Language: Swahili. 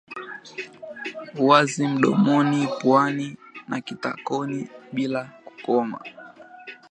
uwazi mdomoni puani na kitakoni bila kukoma